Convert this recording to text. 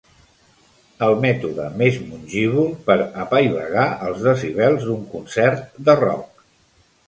El mètode més mongívol per apaivagar els decibels d'un concert de rock.